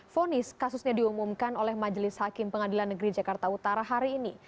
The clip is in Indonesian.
fonis kasusnya diumumkan oleh majelis hakim pengadilan negeri jakarta utara hari ini